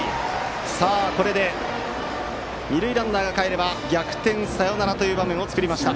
さあ、これで二塁ランナーがかえれば逆転サヨナラという場面を作りました。